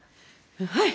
はい！